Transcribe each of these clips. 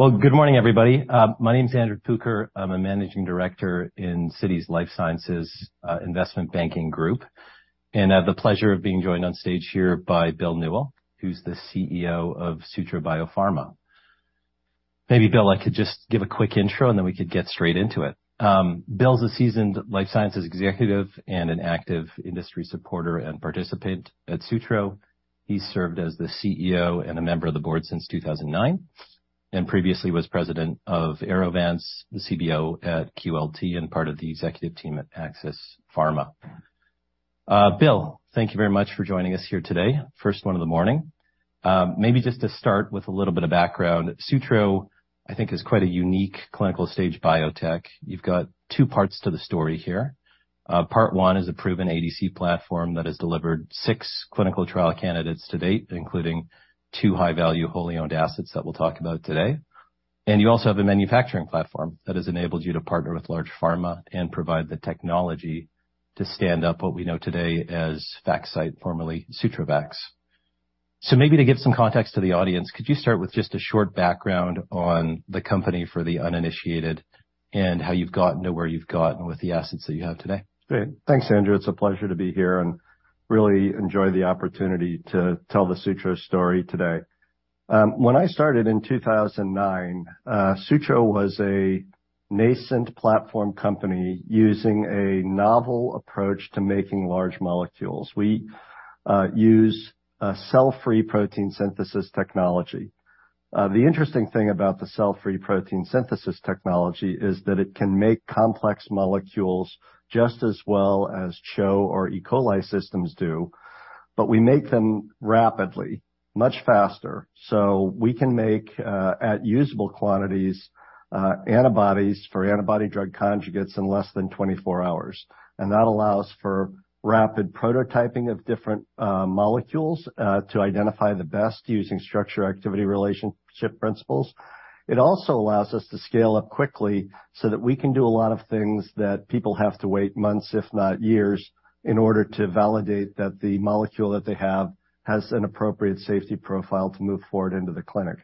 Well, good morning, everybody. My name is Andrew Pucher. I'm a managing director in Citi's Life Sciences Investment Banking Group, and I have the pleasure of being joined on stage here by Bill Newell, who's the CEO of Sutro Biopharma. Maybe, Bill, I could just give a quick intro, and then we could get straight into it. Bill's a seasoned life sciences executive and an active industry supporter and participant at Sutro. He served as the CEO and a member of the board since 2009, and previously was President of Aerovance, the CBO at QLT and part of the executive team at Axys Pharma. Bill, thank you very much for joining us here today. First one in the morning. Maybe just to start with a little bit of background, Sutro, I think, is quite a unique clinical stage biotech. You've got two parts to the story here. Part one is a proven ADC platform that has delivered six clinical trial candidates to date, including two high-value, wholly owned assets that we'll talk about today. You also have a manufacturing platform that has enabled you to partner with large pharma and provide the technology to stand up what we know today as Vaxcyte, formerly SutroVax. Maybe to give some context to the audience, could you start with just a short background on the company for the uninitiated and how you've gotten to where you've gotten with the assets that you have today? Great. Thanks, Andrew. It's a pleasure to be here and really enjoy the opportunity to tell the Sutro story today. When I started in 2009, Sutro was a nascent platform company using a novel approach to making large molecules. We use a cell-free protein synthesis technology. The interesting thing about the cell-free protein synthesis technology is that it can make complex molecules just as well as CHO or E. coli systems do, but we make them rapidly, much faster. So we can make at usable quantities antibodies for antibody drug conjugates in less than 24 hours. And that allows for rapid prototyping of different molecules to identify the best using structure-activity relationship principles. It also allows us to scale up quickly so that we can do a lot of things that people have to wait months, if not years, in order to validate that the molecule that they have, has an appropriate safety profile to move forward into the clinic.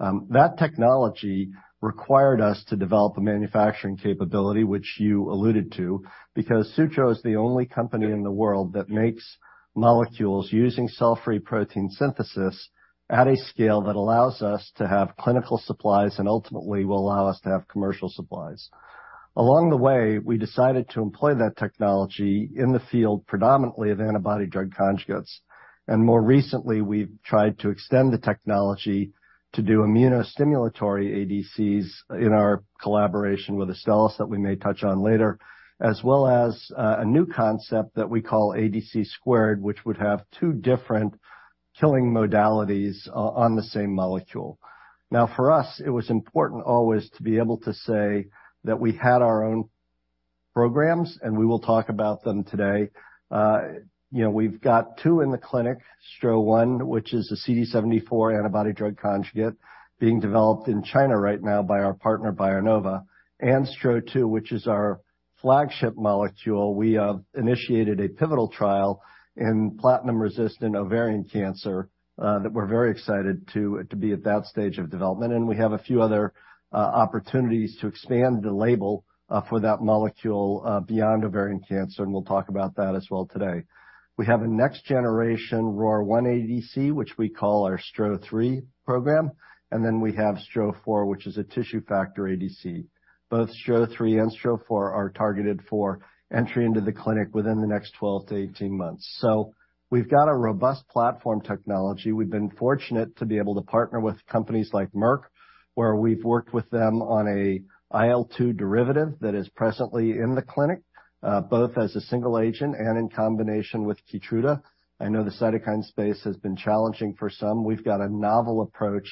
That technology required us to develop a manufacturing capability, which you alluded to, because Sutro is the only company in the world that makes molecules using cell-free protein synthesis at a scale that allows us to have clinical supplies and ultimately will allow us to have commercial supplies. Along the way, we decided to employ that technology in the field predominantly of antibody-drug conjugates, and more recently, we've tried to extend the technology to do immunostimulatory ADCs in our collaboration with Astellas, that we may touch on later, as well as a new concept that we call ADC2, which would have two different killing modalities on the same molecule. Now, for us, it was important always to be able to say that we had our own programs, and we will talk about them today. You know, we've got two in the clinic, STRO-001, which is a CD74 antibody-drug conjugate, being developed in China right now by our partner, BioNova, and STRO-002, which is our flagship molecule. We initiated a pivotal trial in platinum-resistant ovarian cancer that we're very excited to be at that stage of development, and we have a few other opportunities to expand the label for that molecule beyond ovarian cancer, and we'll talk about that as well today. We have a next-generation ROR1 ADC, which we call our STRO-003 program, and then we have STRO-004, which is a tissue factor ADC. Both STRO-003 and STRO-004 are targeted for entry into the clinic within the next 12-18 months. So we've got a robust platform technology. We've been fortunate to be able to partner with companies like Merck, where we've worked with them on an IL-2 derivative that is presently in the clinic both as a single agent and in combination with Keytruda. I know the cytokine space has been challenging for some. We've got a novel approach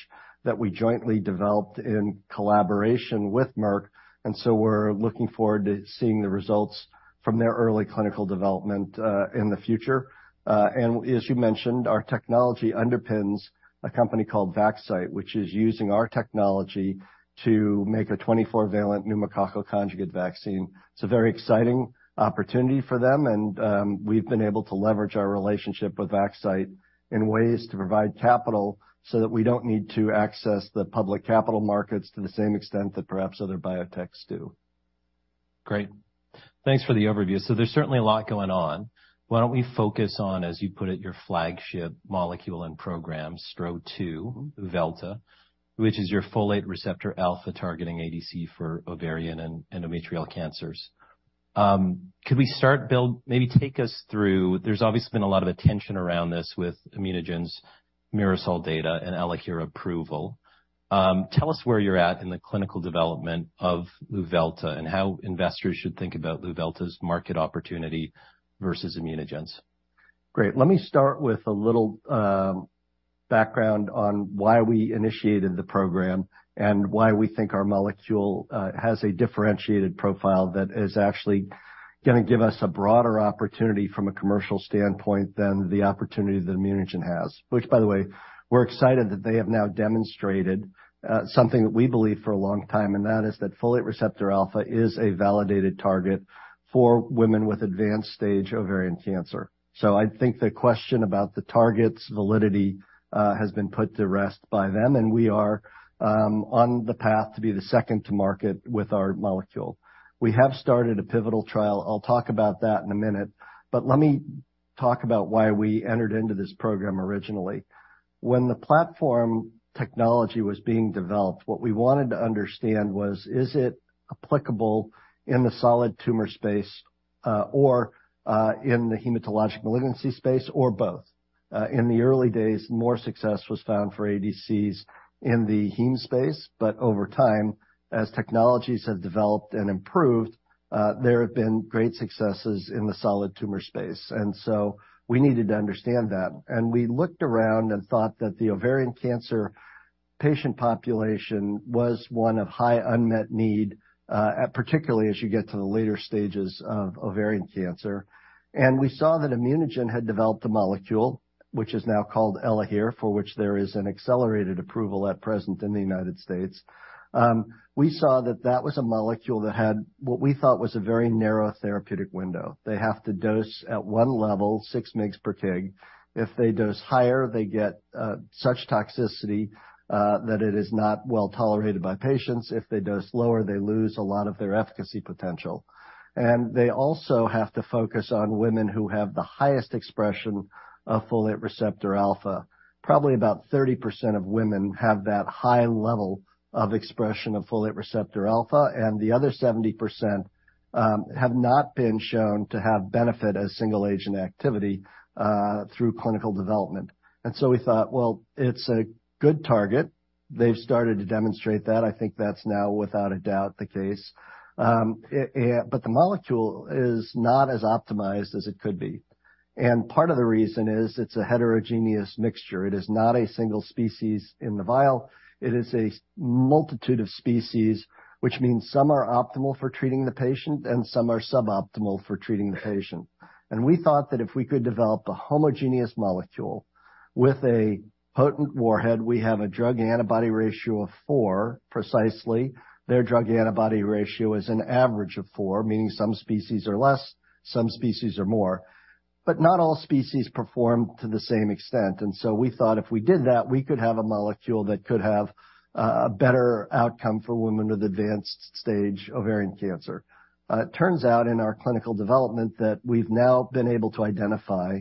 that we jointly developed in collaboration with Merck, and so we're looking forward to seeing the results from their early clinical development in the future. And as you mentioned, our technology underpins a company called Vaxcyte, which is using our technology to make a 24-valent pneumococcal conjugate vaccine. It's a very exciting opportunity for them, and we've been able to leverage our relationship with Vaxcyte in ways to provide capital, so that we don't need to access the public capital markets to the same extent that perhaps other biotechs do. Great. Thanks for the overview. So there's certainly a lot going on. Why don't we focus on, as you put it, your flagship molecule and program, STRO-002, luvelta, which is your Folate Receptor α-targeting ADC for ovarian and endometrial cancers. Could we start, Bill, maybe take us through... There's obviously been a lot of attention around this with ImmunoGen's MIRASOL data and Elahere approval. Tell us where you're at in the clinical development of luvelta and how investors should think about luvelta's market opportunity versus ImmunoGen's. Great. Let me start with a little background on why we initiated the program and why we think our molecule has a differentiated profile that is actually gonna give us a broader opportunity from a commercial standpoint than the opportunity that ImmunoGen has. Which, by the way, we're excited that they have now demonstrated something that we believe for a long time, and that is folate receptor-α is a validated target for women with advanced stage ovarian cancer. So I think the question about the target's validity has been put to rest by them, and we are on the path to be the second to market with our molecule. We have started a pivotal trial. I'll talk about that in a minute, but let me talk about why we entered into this program originally. When the platform technology was being developed, what we wanted to understand was, is it applicable in the solid tumor space, or in the hematologic malignancy space, or both? In the early days, more success was found for ADCs in the heme space, but over time, as technologies have developed and improved, there have been great successes in the solid tumor space. And so we needed to understand that. We looked around and thought that the ovarian cancer patient population was one of high unmet need, particularly as you get to the later stages of ovarian cancer. We saw that ImmunoGen had developed a molecule, which is now called Elahere, for which there is an accelerated approval at present in the United States. We saw that that was a molecule that had what we thought was a very narrow therapeutic window. They have to dose at one level, 6 mg/kg. If they dose higher, they get such toxicity that it is not well tolerated by patients. If they dose lower, they lose a lot of their efficacy potential. And they also have to focus on women who have the highest expression folate receptor-α. probably about 30% of women have that high level of expression folate receptor-α, and the other 70% have not been shown to have benefit as single agent activity through clinical development. And so we thought, well, it's a good target. They've started to demonstrate that. I think that's now, without a doubt, the case. But the molecule is not as optimized as it could be. And part of the reason is it's a heterogeneous mixture. It is not a single species in the vial. It is a multitude of species, which means some are optimal for treating the patient, and some are suboptimal for treating the patient. We thought that if we could develop a homogeneous molecule with a potent warhead, we have a drug-antibody ratio of four, precisely. Their drug-antibody ratio is an average of four, meaning some species are less, some species are more, but not all species perform to the same extent. So we thought if we did that, we could have a molecule that could have, a better outcome for women with advanced-stage ovarian cancer. It turns out in our clinical development that we've now been able to identify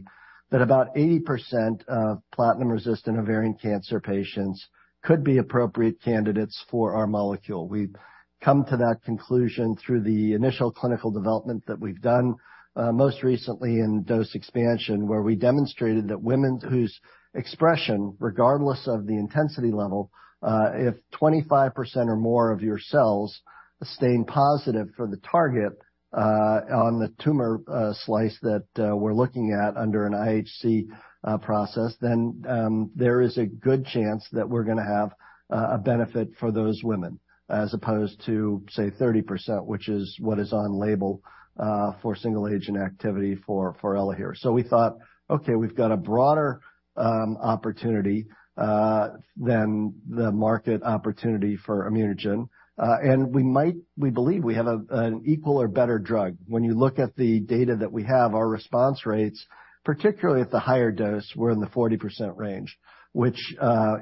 that about 80% of platinum-resistant ovarian cancer patients could be appropriate candidates for our molecule. We've come to that conclusion through the initial clinical development that we've done, most recently in dose expansion, where we demonstrated that women whose expression, regardless of the intensity level, if 25% or more of your cells stain positive for the target, on the tumor slice that we're looking at under an IHC process, then there is a good chance that we're gonna have a benefit for those women, as opposed to, say, 30%, which is on label, for single agent activity for Elahere. So we thought, okay, we've got a broader opportunity than the market opportunity for ImmunoGen. And we might, we believe we have an equal or better drug. When you look at the data that we have, our response rates, particularly at the higher dose, were in the 40% range, which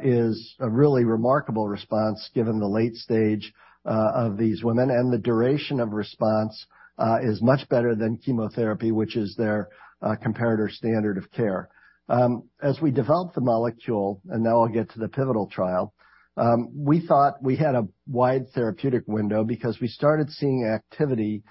is a really remarkable response, given the late stage of these women. The duration of response is much better than chemotherapy, which is their comparator standard of care. As we developed the molecule, and now I'll get to the pivotal trial, we thought we had a wide therapeutic window because we started seeing activity,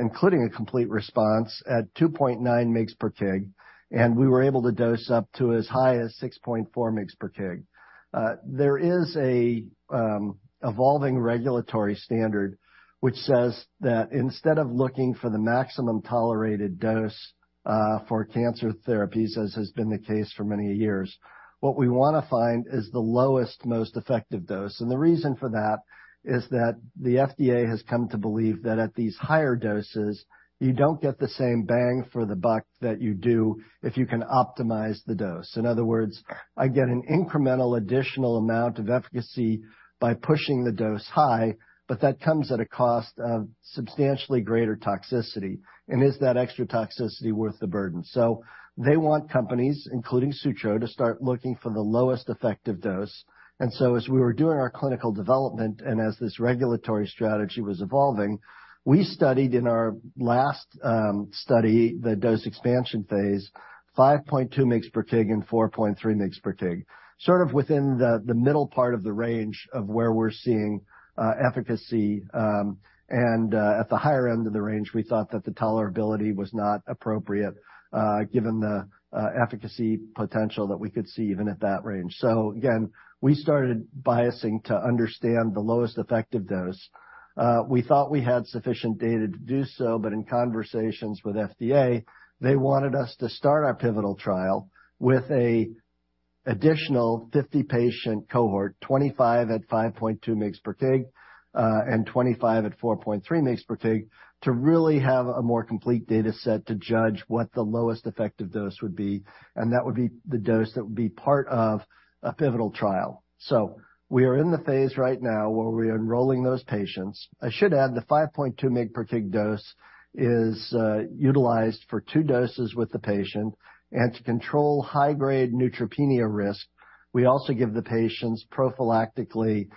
including a complete response, at 2.9 mg/kg, and we were able to dose up to as high as 6.4 mg/kg. There is an evolving regulatory standard which says that instead of looking for the maximum tolerated dose, for cancer therapies, as has been the case for many years, what we wanna find is the lowest, most effective dose. And the reason for that is that the FDA has come to believe that at these higher doses, you don't get the same bang for the buck that you do if you can optimize the dose. In other words, I get an incremental additional amount of efficacy by pushing the dose high, but that comes at a cost of substantially greater toxicity, and is that extra toxicity worth the burden? So they want companies, including Sutro, to start looking for the lowest effective dose. And so as we were doing our clinical development and as this regulatory strategy was evolving, we studied in our last study, the dose expansion phase, 5.2 mg/kg and 4.3 mg/kg, sort of within the middle part of the range of where we're seeing efficacy, and at the higher end of the range, we thought that the tolerability was not appropriate, given the efficacy potential that we could see even at that range. So again, we started biasing to understand the lowest effective dose. We thought we had sufficient data to do so, but in conversations with FDA, they wanted us to start our pivotal trial with an additional 50-patient cohort, 25 at 5.2 mg/kg, and 25 at 4.3 mg/kg, to really have a more complete data set to judge what the lowest effective dose would be, and that would be the dose that would be part of a pivotal trial. So we are in the phase right now where we're enrolling those patients. I should add the 5.2 mg/kg dose is utilized for two doses with the patient, and to control high-grade neutropenia risk. We also give the patients prophylactically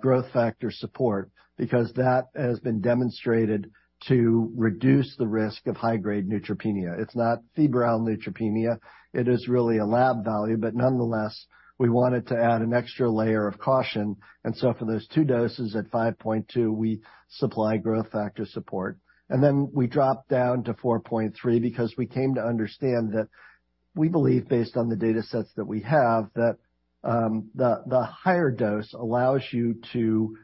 growth factor support, because that has been demonstrated to reduce the risk of high-grade neutropenia. It's not febrile neutropenia, it is really a lab value, but nonetheless, we wanted to add an extra layer of caution, and so for those two doses at 5.2 mg/kg, we supply growth factor support. And then we drop down to 4.3 mg/kg because we came to understand that we believe, based on the data sets that we have, that the higher dose allows you to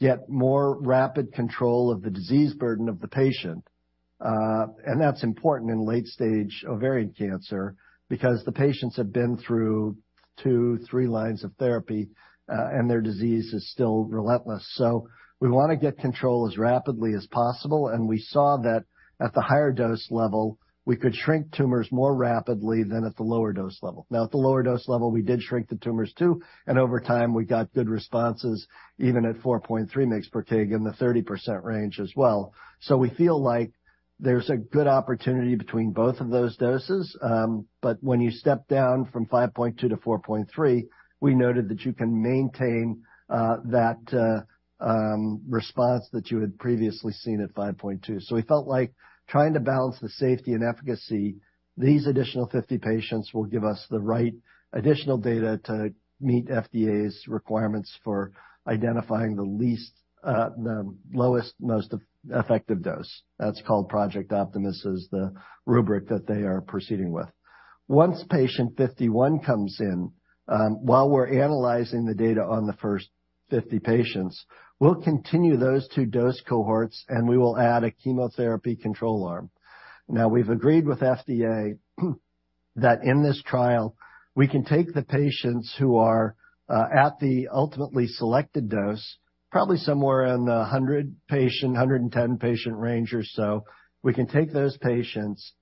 get more rapid control of the disease burden of the patient. And that's important in late stage ovarian cancer because the patients have been through two, three lines of therapy, and their disease is still relentless. So we wanna get control as rapidly as possible, and we saw that at the higher dose level, we could shrink tumors more rapidly than at the lower dose level. Now, at the lower dose level, we did shrink the tumors, too, and over time, we got good responses, even at 4.3 mg/kg in the 30% range as well. So we feel like there's a good opportunity between both of those doses. But when you step down from 5.2 mg/kg to 4.3 mg/kg, we noted that you can maintain, that, response that you had previously seen at 5.2 mg/kg. So we felt like trying to balance the safety and efficacy, these additional 50 patients will give us the right additional data to meet FDA's requirements for identifying the least, the lowest, most effective dose. That's called Project Optimus, is the rubric that they are proceeding with. Once patient 51 comes in, while we're analyzing the data on the first 50 patients, we'll continue those two dose cohorts, and we will add a chemotherapy control arm. Now, we've agreed with FDA that in this trial, we can take the patients who are at the ultimately selected dose, probably somewhere in the 100-patient, 110-patient range or so. We can take those patients,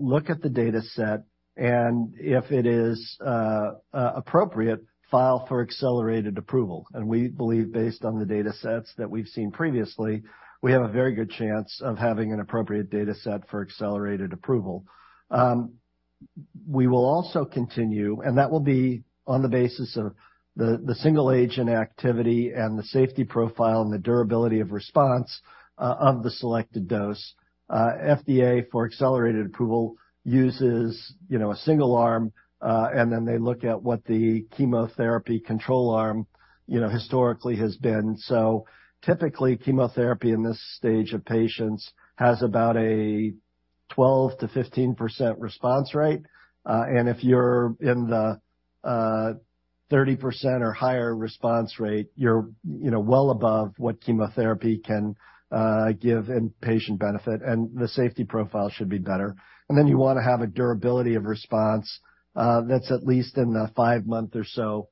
look at the data set, and if it is appropriate, file for accelerated approval. And we believe based on the data sets that we've seen previously, we have a very good chance of having an appropriate data set for accelerated approval. We will also continue, and that will be on the basis of the single agent activity and the safety profile and the durability of response of the selected dose. FDA, for accelerated approval, uses, you know, a single arm, and then they look at what the chemotherapy control arm, you know, historically has been. So typically, chemotherapy in this stage of patients has about a 12%-15% response rate. And if you're in the, thirty percent or higher response rate, you're, you know, well above what chemotherapy can, give in patient benefit, and the safety profile should be better. And then you wanna have a durability of response, that's at least in the five-month or so,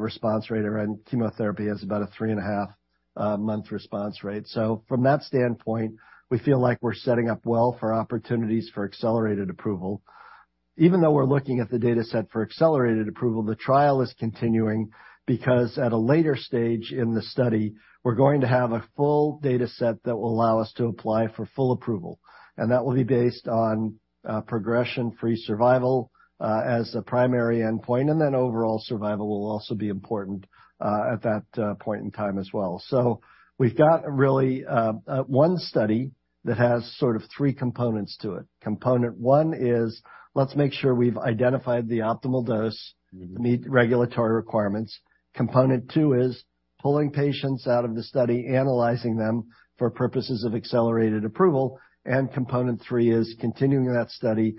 response rate, and chemotherapy has about a 3.5 month response rate. So from that standpoint, we feel like we're setting up well for opportunities for accelerated approval. Even though we're looking at the data set for accelerated approval, the trial is continuing because at a later stage in the study, we're going to have a full data set that will allow us to apply for full approval, and that will be based on progression-free survival as the primary endpoint, and then overall survival will also be important at that point in time as well. So we've got really one study that has sort of three components to it. Component one is, let's make sure we've identified the optimal dose to meet regulatory requirements. Component two is pulling patients out of the study, analyzing them for purposes of accelerated approval, and component three is continuing that study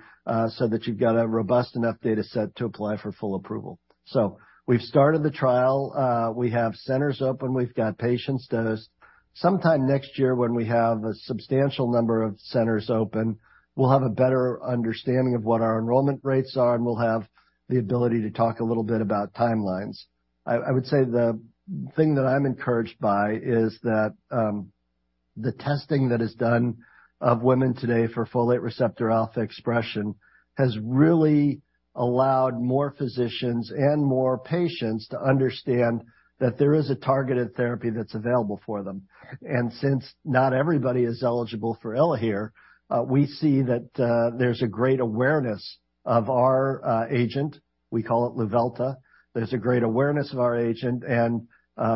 so that you've got a robust enough data set to apply for full approval. So we've started the trial. We have centers open, we've got patients done. Sometime next year, when we have a substantial number of centers open, we'll have a better understanding of what our enrollment rates are, and we'll have the ability to talk a little bit about timelines. I would say the thing that I'm encouraged by is that the testing that is done of women today folate receptor-α expression has really allowed more physicians and more patients to understand that there is a targeted therapy that's available for them. And since not everybody is eligible for Elahere, we see that there's a great awareness of our agent. We call it luvelta. There's a great awareness of our agent, and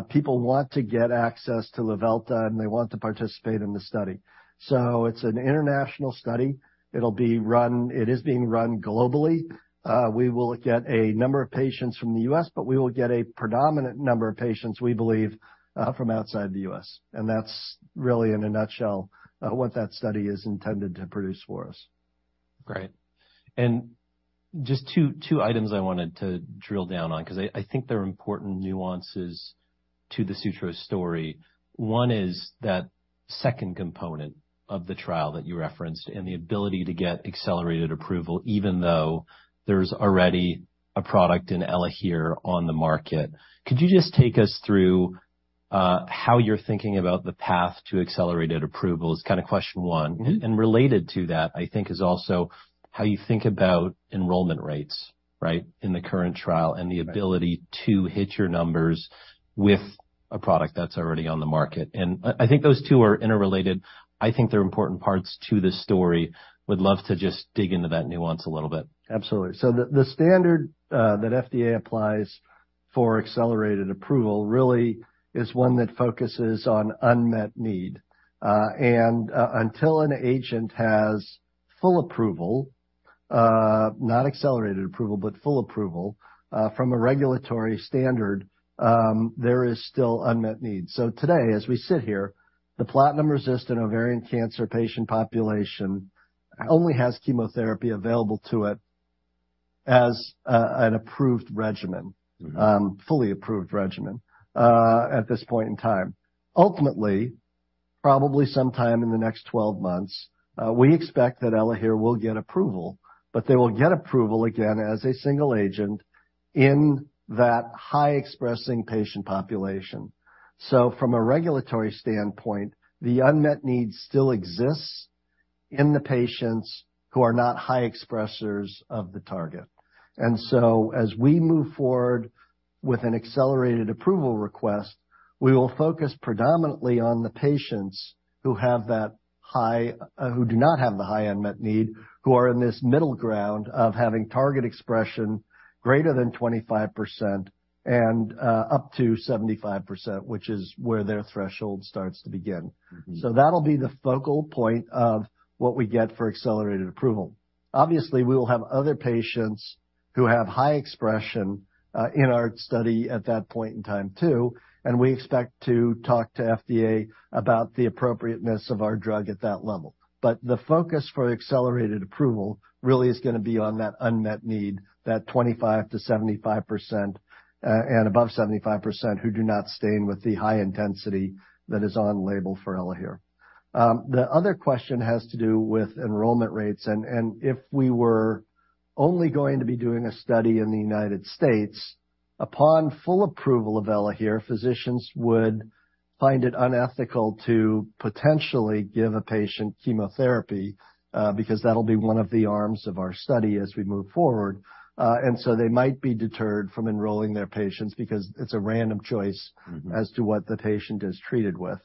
people want to get access to luvelta, and they want to participate in the study. So it's an international study. It is being run globally. We will get a number of patients from the U.S., but we will get a predominant number of patients, we believe, from outside the U.S. That's really, in a nutshell, what that study is intended to produce for us. Great. And just two items I wanted to drill down on, 'cause I think they're important nuances to the Sutro story. One is that second component of the trial that you referenced, and the ability to get accelerated approval, even though there's already a product in Elahere on the market. Could you just take us through how you're thinking about the path to accelerated approval? Is kind of question one. Related to that, I think, is also how you think about enrollment rates, right, in the current trial and the ability to hit your numbers with a product that's already on the market. And I think those two are interrelated. I think they're important parts to this story. Would love to just dig into that nuance a little bit. Absolutely. So the standard that FDA applies for accelerated approval really is one that focuses on unmet need. And until an agent has full approval, not accelerated approval, but full approval, from a regulatory standard, there is still unmet needs. So today, as we sit here, the platinum-resistant ovarian cancer patient population only has chemotherapy available to it as an approved regimen, fully approved regimen, at this point in time. Ultimately, probably sometime in the next 12 months, we expect that Elahere will get approval, but they will get approval again as a single agent in that high-expressing patient population. So from a regulatory standpoint, the unmet need still exists in the patients who are not high expressors of the target. And so as we move forward with an accelerated approval request, we will focus predominantly on the patients who have that high- who do not have the high unmet need, who are in this middle ground of having target expression greater than 25% and up to 75%, which is where their threshold starts to begin. So that'll be the focal point of what we get for accelerated approval. Obviously, we will have other patients who have high expression in our study at that point in time, too, and we expect to talk to FDA about the appropriateness of our drug at that level. But the focus for accelerated approval really is gonna be on that unmet need, that 25%-75%, and above 75%, who do not stain with the high intensity that is on label for Elahere. The other question has to do with enrollment rates, and if we were only going to be doing a study in the United States, upon full approval of Elahere, physicians would find it unethical to potentially give a patient chemotherapy, because that'll be one of the arms of our study as we move forward. And so they might be deterred from enrolling their patients because it's a random choice as to what the patient is treated with.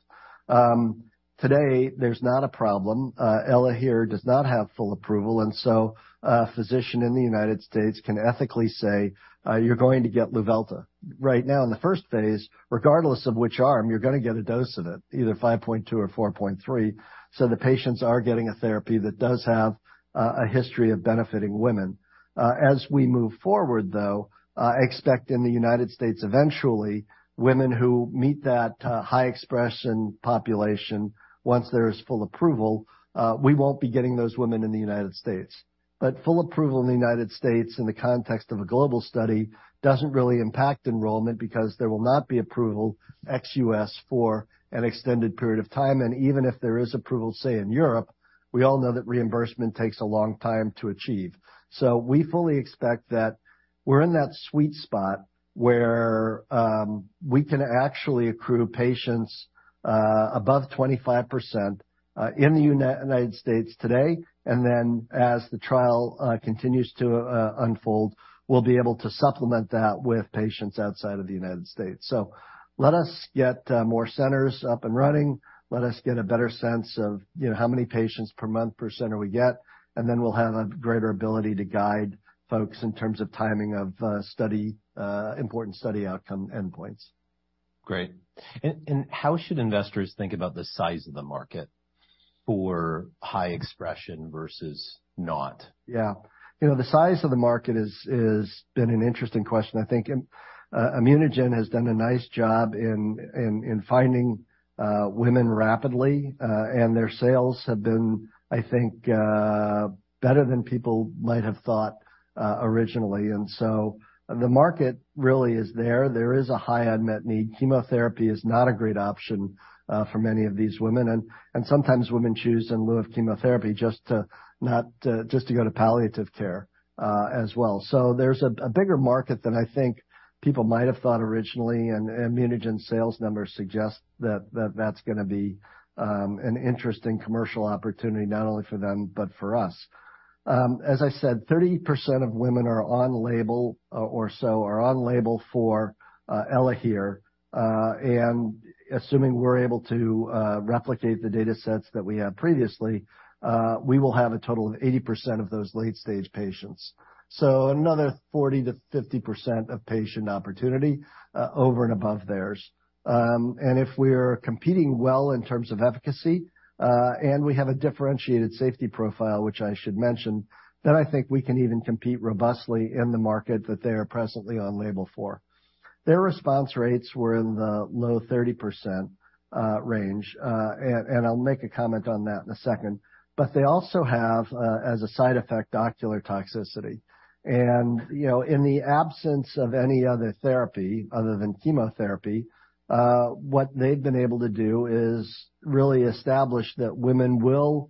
Today, there's not a problem. Elahere does not have full approval, and so a physician in the United States can ethically say, "You're going to get luvelta. Right now in the first phase, regardless of which arm, you're gonna get a dose of it, either 5.2 mg/kg or 4.3 mg/kg." So the patients are getting a therapy that does have a history of benefiting women. As we move forward, though, expect in the United States, eventually, women who meet that high expression population, once there is full approval, we won't be getting those women in the United States. But full approval in the United States, in the context of a global study, doesn't really impact enrollment because there will not be approval ex-U.S. for an extended period of time. And even if there is approval, say, in Europe, we all know that reimbursement takes a long time to achieve. So we fully expect that we're in that sweet spot where, we can actually accrue patients, above 25%, in the United States today, and then as the trial, continues to, unfold, we'll be able to supplement that with patients outside of the United States. So let us get, more centers up and running. Let us get a better sense of, you know, how many patients per month, per center we get, and then we'll have a greater ability to guide folks in terms of timing of, study, important study outcome endpoints. Great. And how should investors think about the size of the market for high expression versus not? Yeah. You know, the size of the market has been an interesting question. I think, ImmunoGen has done a nice job in finding women rapidly, and their sales have been, I think, better than people might have thought originally. And so the market really is there. There is a high unmet need. Chemotherapy is not a great option for many of these women, and sometimes women choose, in lieu of chemotherapy, just to go to palliative care, as well. So there's a bigger market than I think people might have thought originally, and ImmunoGen sales numbers suggest that that's gonna be an interesting commercial opportunity, not only for them, but for us. As I said, 30% of women are on label, or so, are on label for Elahere, and assuming we're able to replicate the datasets that we have previously, we will have a total of 80% of those late-stage patients, so another 40%-50% of patient opportunity, over and above theirs. And if we're competing well in terms of efficacy, and we have a differentiated safety profile, which I should mention, then I think we can even compete robustly in the market that they are presently on label for. Their response rates were in the low 30% range, and I'll make a comment on that in a second. But they also have, as a side effect, ocular toxicity. And, you know, in the absence of any other therapy, other than chemotherapy, what they've been able to do is really establish that women will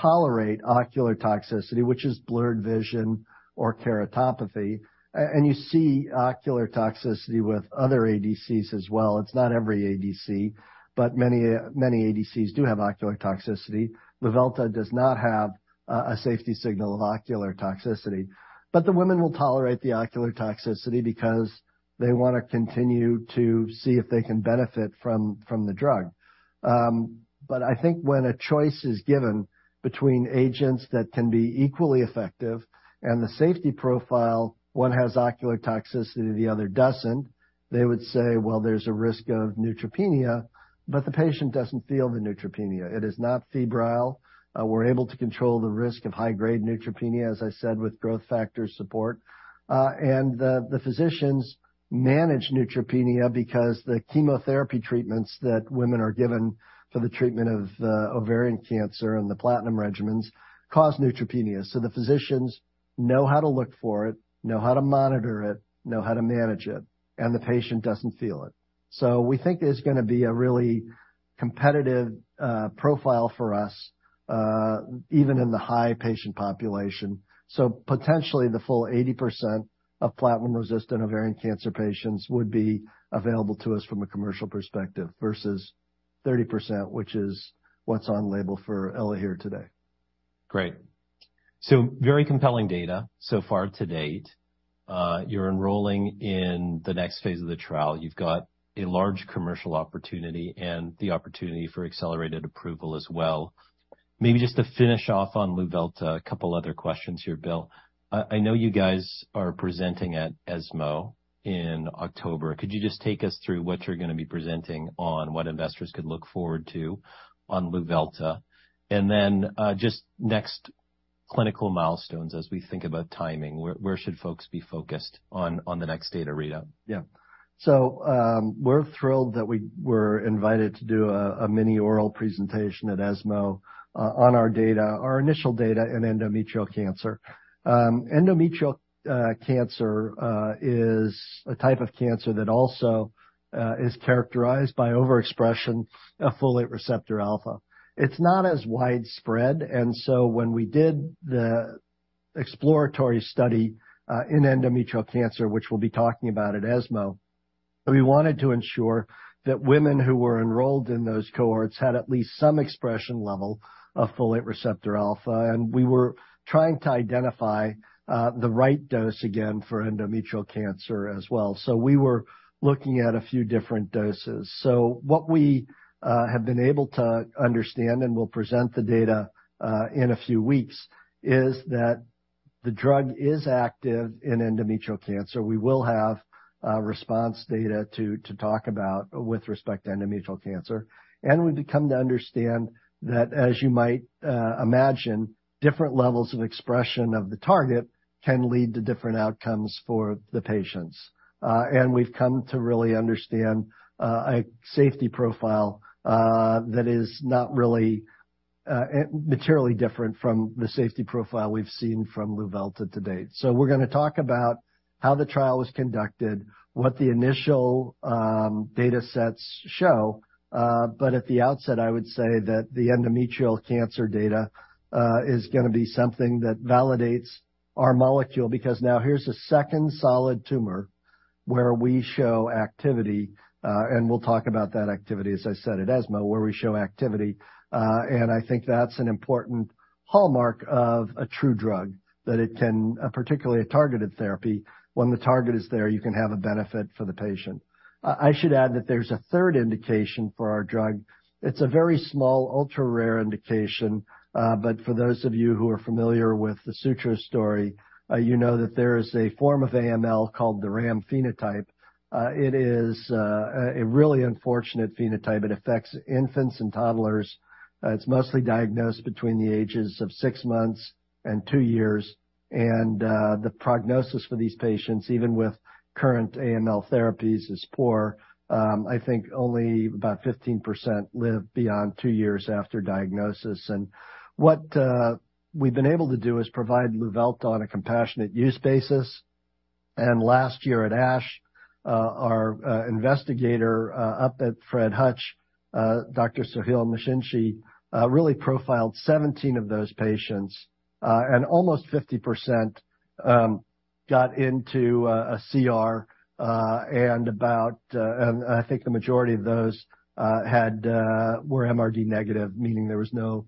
tolerate ocular toxicity, which is blurred vision or keratopathy. And you see ocular toxicity with other ADCs as well. It's not every ADC, but many ADCs do have ocular toxicity. Luvelta does not have a safety signal of ocular toxicity, but the women will tolerate the ocular toxicity because they wanna continue to see if they can benefit from the drug. But I think when a choice is given between agents that can be equally effective and the safety profile, one has ocular toxicity, the other doesn't, they would say, well, there's a risk of neutropenia, but the patient doesn't feel the neutropenia. It is not febrile. We're able to control the risk of high-grade neutropenia, as I said, with growth factor support. The physicians manage neutropenia because the chemotherapy treatments that women are given for the treatment of ovarian cancer and the platinum regimens cause neutropenia. The physicians know how to look for it, know how to monitor it, know how to manage it, and the patient doesn't feel it. We think there's gonna be a really competitive profile for us even in the high patient population. Potentially, the full 80% of platinum-resistant ovarian cancer patients would be available to us from a commercial perspective versus 30%, which is what's on label for Elahere today. Great. So very compelling data so far to date. You're enrolling in the next phase of the trial. You've got a large commercial opportunity and the opportunity for accelerated approval as well. Maybe just to finish off on luvelta, a couple other questions here, Bill. I, I know you guys are presenting at ESMO in October. Could you just take us through what you're gonna be presenting on, what investors could look forward to on luvelta? And then, just next clinical milestones as we think about timing, where, where should folks be focused on, on the next data readout? Yeah. So, we're thrilled that we were invited to do a mini oral presentation at ESMO on our data, our initial data in endometrial cancer. Endometrial cancer is a type of cancer that also is characterized by overexpression folate receptor-α. it's not as widespread, and so when we did the exploratory study in endometrial cancer, which we'll be talking about at ESMO, we wanted to ensure that women who were enrolled in those cohorts had at least some expression level folate receptor-α, and we were trying to identify the right dose again for endometrial cancer as well. So we were looking at a few different doses. So what we have been able to understand, and we'll present the data in a few weeks, is that the drug is active in endometrial cancer. We will have response data to talk about with respect to endometrial cancer. We've become to understand that, as you might imagine, different levels of expression of the target can lead to different outcomes for the patients. And we've come to really understand a safety profile that is not really materially different from the safety profile we've seen from luvelta to date. So we're gonna talk about how the trial was conducted, what the initial data sets show, but at the outset, I would say that the endometrial cancer data is gonna be something that validates our molecule, because now here's a second solid tumor where we show activity, and we'll talk about that activity, as I said, at ESMO, where we show activity. I think that's an important hallmark of a true drug, that it can, particularly a targeted therapy, when the target is there, you can have a benefit for the patient. I should add that there's a third indication for our drug. It's a very small, ultra-rare indication, but for those of you who are familiar with the Sutro story, you know that there is a form of AML called the RAM phenotype. It is a really unfortunate phenotype. It affects infants and toddlers. It's mostly diagnosed between the ages of six months and two years, and the prognosis for these patients, even with current AML therapies, is poor. I think only about 15% live beyond two years after diagnosis. What we've been able to do is provide luvelta on a compassionate use basis. Last year at ASH, our investigator up at Fred Hutch, Dr. Soheil Meshinchi, really profiled 17 of those patients, and almost 50% got into a CR, and I think the majority of those were MRD negative, meaning there was no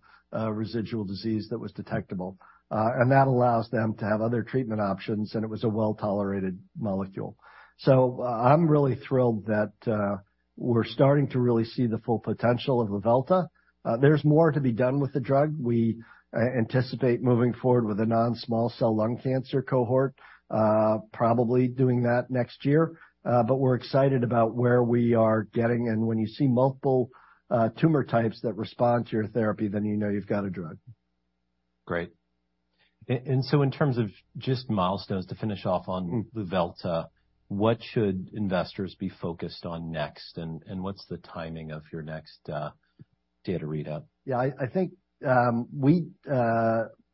residual disease that was detectable. And that allows them to have other treatment options, and it was a well-tolerated molecule. So I'm really thrilled that we're starting to really see the full potential of luvelta. There's more to be done with the drug. We anticipate moving forward with a non-small cell lung cancer cohort, probably doing that next year. But we're excited about where we are getting, and when you see multiple tumor types that respond to your therapy, then you know you've got a drug. Great. And, and so in terms of just milestones to finish off on luvelta, what should investors be focused on next, and, and what's the timing of your next data readout? Yeah, I think we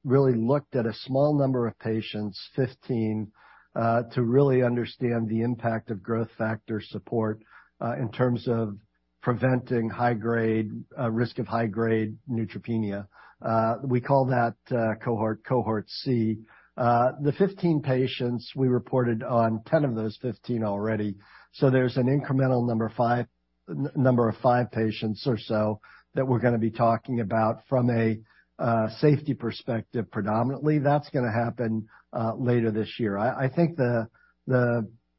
really looked at a small number of patients, 15, to really understand the impact of growth factor support in terms of preventing high-grade risk of high-grade neutropenia. We call that cohort, Cohort C. The 15 patients, we reported on 10 of those 15 already. So there's an incremental number five, number of five patients or so that we're gonna be talking about from a safety perspective, predominantly. That's gonna happen later this year. I think the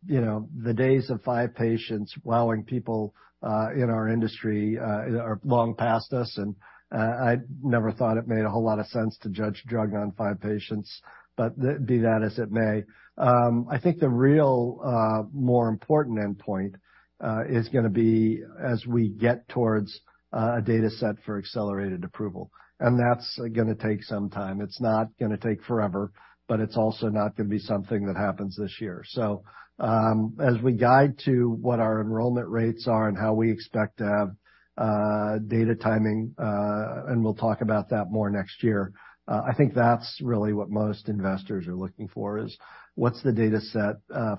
you know, the days of five patients wowing people in our industry are long past us, and I never thought it made a whole lot of sense to judge drug on five patients. But be that as it may, I think the real, more important endpoint, is gonna be as we get towards, a data set for accelerated approval, and that's gonna take some time. It's not gonna take forever, but it's also not gonna be something that happens this year. So, as we guide to what our enrollment rates are and how we expect to have, data timing, and we'll talk about that more next year, I think that's really what most investors are looking for, is what's the data set,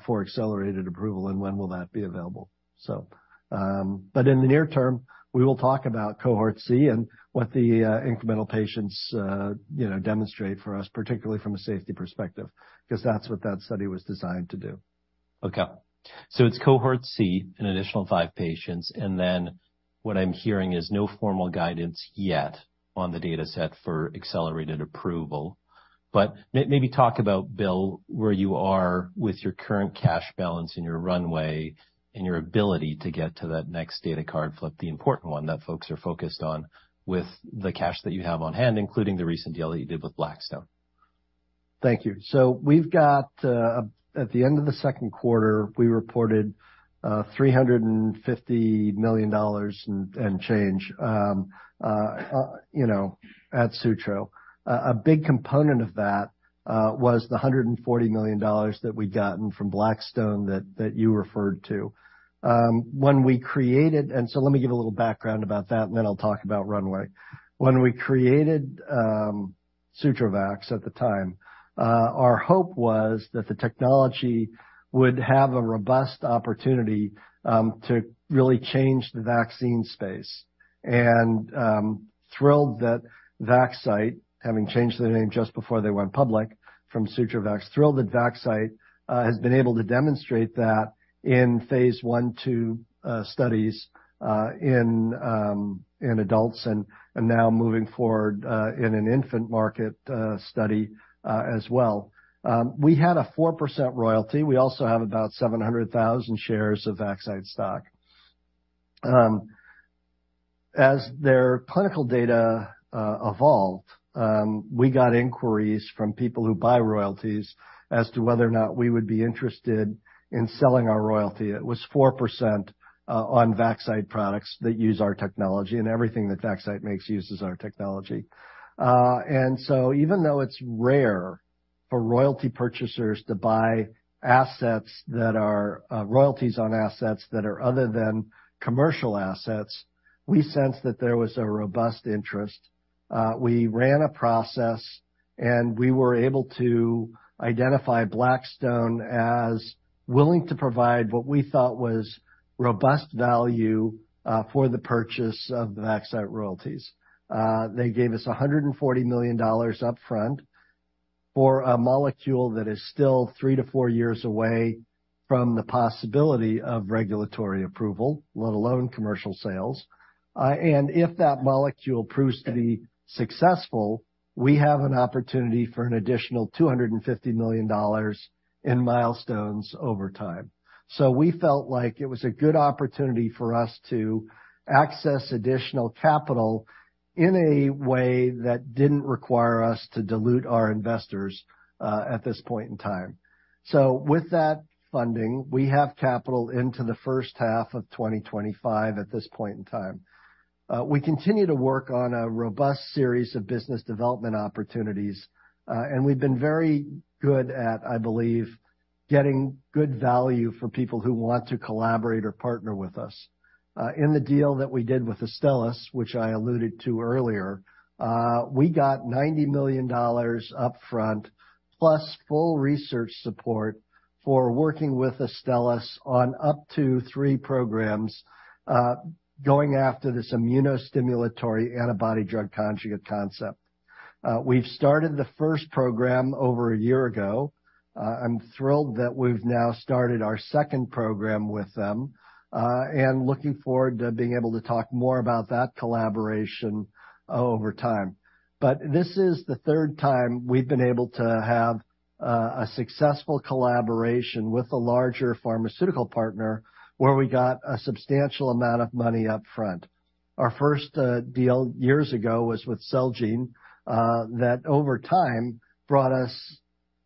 for accelerated approval and when will that be available? So, but in the near term, we will talk about Cohort C and what the, incremental patients, you know, demonstrate for us, particularly from a safety perspective, 'cause that's what that study was designed to do. Okay. So it's Cohort C, an additional five patients, and then what I'm hearing is no formal guidance yet on the data set for accelerated approval. But maybe talk about, Bill, where you are with your current cash balance in your runway and your ability to get to that next data card flip, the important one that folks are focused on with the cash that you have on hand, including the recent deal that you did with Blackstone. Thank you. So we've got at the end of the second quarter, we reported $350 million and change, you know, at Sutro. A big component of that was the $140 million that we'd gotten from Blackstone that you referred to. When we created-- And so let me give a little background about that, and then I'll talk about runway. When we created SutroVax at the time, our hope was that the technology would have a robust opportunity to really change the vaccine space. I'm thrilled that Vaxcyte, having changed their name just before they went public from SutroVax, has been able to demonstrate that in phase I/II studies in adults and now moving forward in an infant market study as well. We had a 4% royalty. We also have about 700,000 shares of Vaxcyte stock. As their clinical data evolved, we got inquiries from people who buy royalties as to whether or not we would be interested in selling our royalty. It was 4% on Vaxcyte products that use our technology, and everything that Vaxcyte makes uses our technology. And so even though it's rare for royalty purchasers to buy assets that are royalties on assets that are other than commercial assets, we sensed that there was a robust interest. We ran a process, and we were able to identify Blackstone as willing to provide what we thought was robust value for the purchase of the Vaxcyte royalties. They gave us $140 million upfront for a molecule that is still three to four years away from the possibility of regulatory approval, let alone commercial sales. And if that molecule proves to be successful, we have an opportunity for an additional $250 million in milestones over time. So we felt like it was a good opportunity for us to access additional capital in a way that didn't require us to dilute our investors at this point in time. With that funding, we have capital into the first half of 2025 at this point in time. We continue to work on a robust series of business development opportunities, and we've been very good at, I believe, getting good value for people who want to collaborate or partner with us. In the deal that we did with Astellas, which I alluded to earlier, we got $90 million upfront, plus full research support for working with Astellas on up to three programs, going after this immunostimulatory antibody drug conjugate concept. We've started the first program over a year ago. I'm thrilled that we've now started our second program with them, and looking forward to being able to talk more about that collaboration over time. But this is the third time we've been able to have a successful collaboration with a larger pharmaceutical partner, where we got a substantial amount of money upfront. Our first deal years ago was with Celgene, that over time, brought us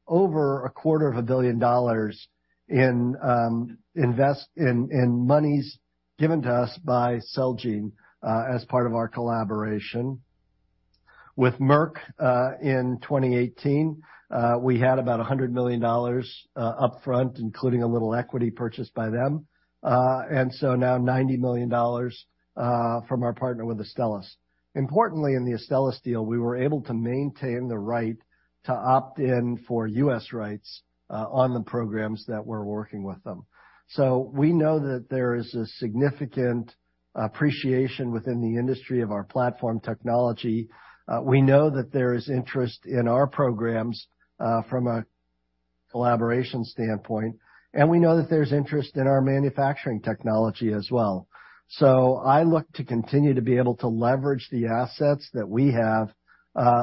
over $250 million in monies given to us by Celgene, as part of our collaboration. With Merck, in 2018, we had about $100 million upfront, including a little equity purchased by them, and so now $90 million from our partner with Astellas. Importantly, in the Astellas deal, we were able to maintain the right to opt in for U.S. rights, on the programs that we're working with them. So we know that there is a significant appreciation within the industry of our platform technology. We know that there is interest in our programs, from a collaboration standpoint, and we know that there's interest in our manufacturing technology as well. So I look to continue to be able to leverage the assets that we have,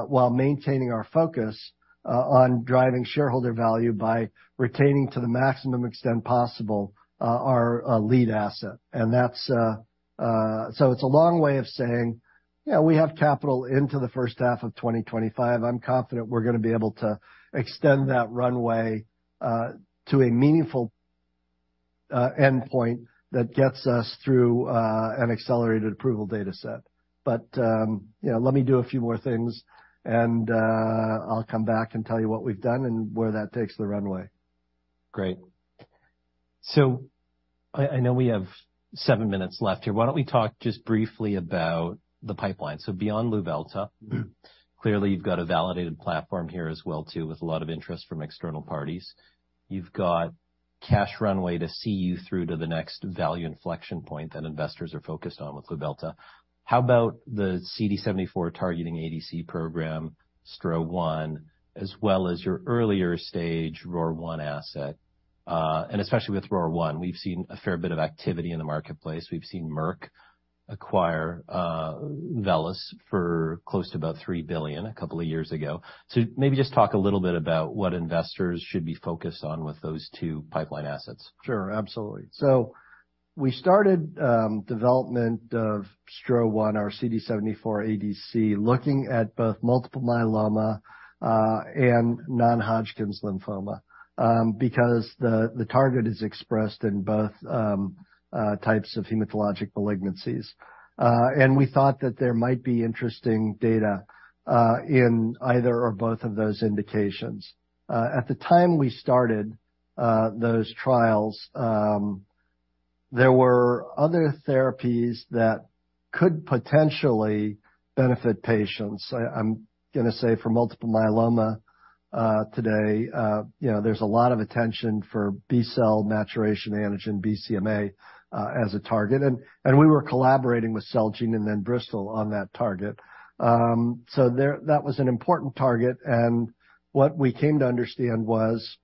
while maintaining our focus, on driving shareholder value by retaining, to the maximum extent possible, our lead asset. And that's, so it's a long way of saying, yeah, we have capital into the first half of 2025. I'm confident we're gonna be able to extend that runway to a meaningful endpoint that gets us through an accelerated approval data set. But, you know, let me do a few more things, and I'll come back and tell you what we've done and where that takes the runway. Great. So I know we have seven minutes left here. Why don't we talk just briefly about the pipeline? So beyond luvelta, clearly, you've got a validated platform here as well, too, with a lot of interest from external parties. You've got cash runway to see you through to the next value inflection point that investors are focused on with luvelta. How about the CD74-targeting ADC program, STRO-001, as well as your earlier stage ROR1 asset? And especially with ROR1, we've seen a fair bit of activity in the marketplace. We've seen Merck acquire Velos for close to about $3 billion a couple of years ago. So maybe just talk a little bit about what investors should be focused on with those two pipeline assets. Sure, absolutely. So we started development of STRO-001, our CD74 ADC, looking at both multiple myeloma and non-Hodgkin's lymphoma because the target is expressed in both types of hematologic malignancies. And we thought that there might be interesting data in either or both of those indications. At the time we started those trials, there were other therapies that could potentially benefit patients. I'm gonna say for multiple myeloma, today, you know, there's a lot of attention for B-cell maturation antigen, BCMA, as a target, and we were collaborating with Celgene and then Bristol on that target. So, that was an important target, and what we came to understand was,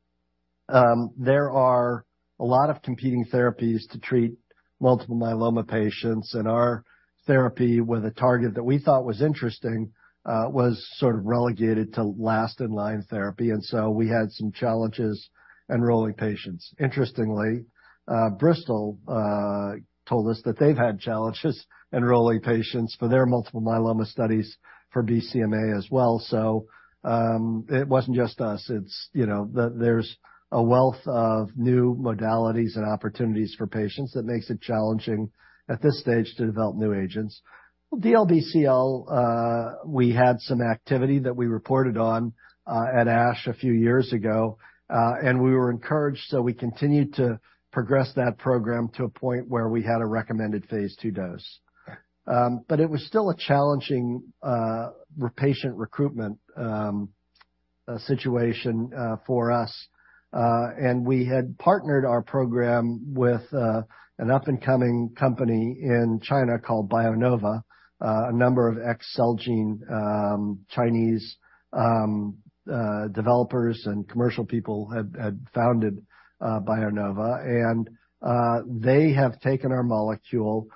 there are a lot of competing therapies to treat multiple myeloma patients, and our therapy with a target that we thought was interesting, was sort of relegated to last-in-line therapy, and so we had some challenges enrolling patients. Interestingly, Bristol told us that they've had challenges enrolling patients for their multiple myeloma studies for BCMA as well. So, it wasn't just us. It's, you know, there's a wealth of new modalities and opportunities for patients that makes it challenging at this stage to develop new agents. DLBCL, we had some activity that we reported on, at ASH a few years ago, and we were encouraged, so we continued to progress that program to a point where we had a recommended phase II dose. But it was still a challenging patient recruitment situation for us. And we had partnered our program with an up-and-coming company in China called BioNova. A number of ex-Celgene Chinese developers and commercial people had founded BioNova, and they have taken our molecule,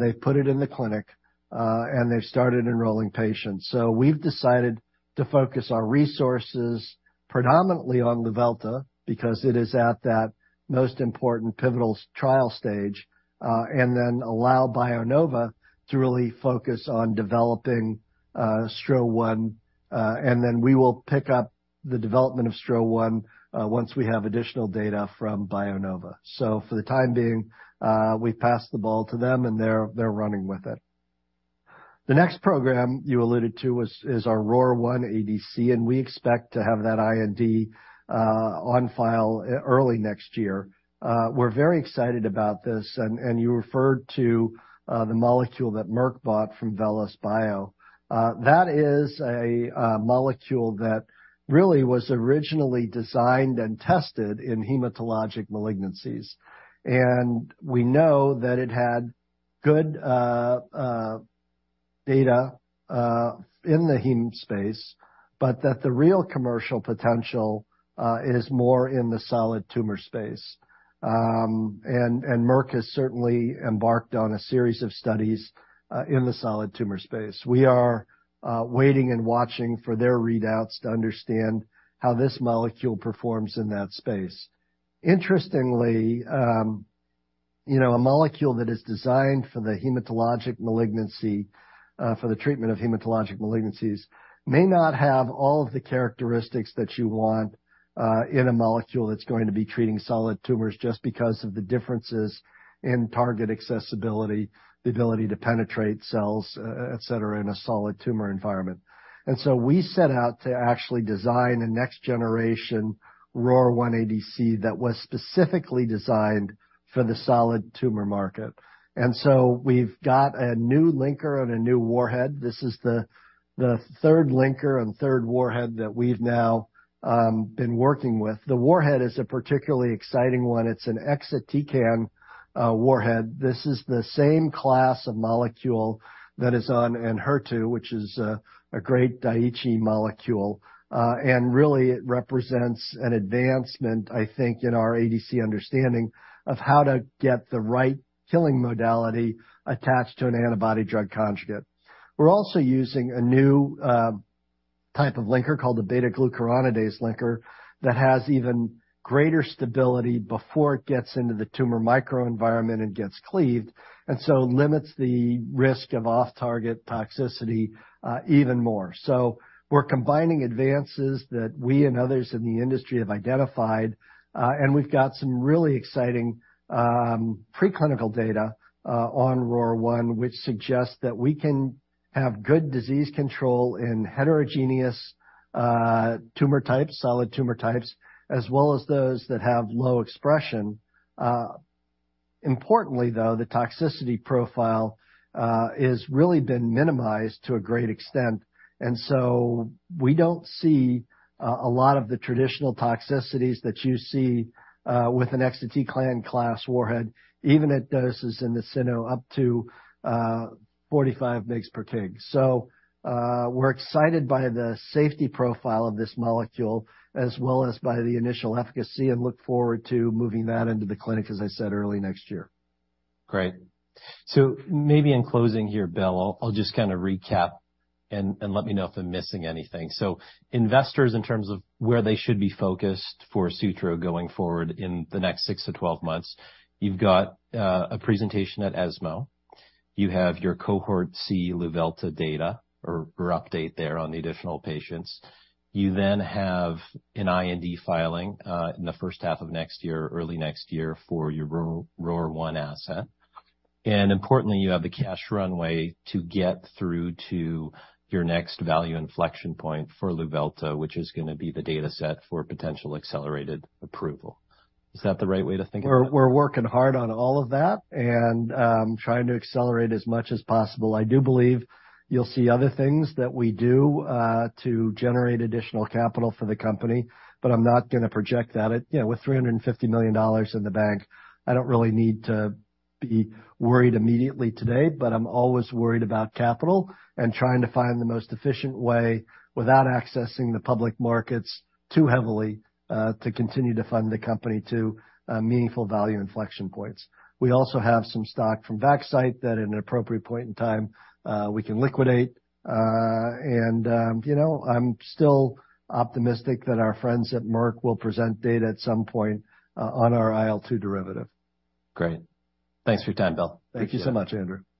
they've put it in the clinic, and they've started enrolling patients. So we've decided to focus our resources predominantly on luvelta because it is at that most important pivotal trial stage, and then allow BioNova to really focus on developing STRO-001, and then we will pick up the development of STRO-001 once we have additional data from BioNova. So for the time being, we've passed the ball to them, and they're running with it. The next program you alluded to was, is our ROR1 ADC, and we expect to have that IND on file early next year. We're very excited about this, and, and you referred to the molecule that Merck bought from VelosBio. That is a molecule that really was originally designed and tested in hematologic malignancies, and we know that it had good data in the heme space, but that the real commercial potential is more in the solid tumor space. And, and Merck has certainly embarked on a series of studies in the solid tumor space. We are waiting and watching for their readouts to understand how this molecule performs in that space. Interestingly, you know, a molecule that is designed for the hematologic malignancy, for the treatment of hematologic malignancies, may not have all of the characteristics that you want, in a molecule that's going to be treating solid tumors just because of the differences in target accessibility, the ability to penetrate cells, et cetera, in a solid tumor environment. And so we set out to actually design a next-generation ROR1 ADC that was specifically designed for the solid tumor market. And so we've got a new linker and a new warhead. This is the third linker and third warhead that we've now been working with. The warhead is a particularly exciting one. It's an exatecan warhead. This is the same class of molecule that is on Enhertu, which is, a great Daiichi molecule, and really it represents an advancement, I think, in our ADC understanding of how to get the right killing modality attached to an antibody drug conjugate. We're also using a new, type of linker, called the β-glucuronidase linker, that has even greater stability before it gets into the tumor microenvironment and gets cleaved, and so limits the risk of off-target toxicity, even more. So we're combining advances that we and others in the industry have identified, and we've got some really exciting, preclinical data, on ROR1, which suggests that we can have good disease control in heterogeneous, tumor types, solid tumor types, as well as those that have low expression. Importantly, though, the toxicity profile is really been minimized to a great extent, and so we don't see a lot of the traditional toxicities that you see with an exatecan class warhead, even at doses we've seen up to 45 mg/kg. So, we're excited by the safety profile of this molecule, as well as by the initial efficacy, and look forward to moving that into the clinic, as I said, early next year. Great. So maybe in closing here, Bill, I'll just kind of recap and let me know if I'm missing anything. So investors, in terms of where they should be focused for Sutro going forward in the next six to 12 months, you've got a presentation at ESMO. You have your Cohort C luvelta data or update there on the additional patients. You then have an IND filing in the first half of next year, early next year, for your ROR1 asset. And importantly, you have the cash runway to get through to your next value inflection point for luvelta, which is gonna be the dataset for potential accelerated approval. Is that the right way to think about it? We're working hard on all of that and trying to accelerate as much as possible. I do believe you'll see other things that we do to generate additional capital for the company, but I'm not gonna project that. You know, with $350 million in the bank, I don't really need to be worried immediately today, but I'm always worried about capital and trying to find the most efficient way, without accessing the public markets too heavily, to continue to fund the company to meaningful value inflection points. We also have some stock from Vaxcyte that, at an appropriate point in time, we can liquidate. And you know, I'm still optimistic that our friends at Merck will present data at some point on our IL-2 derivative. Great. Thanks for your time, Bill. Thank you so much, Andrew.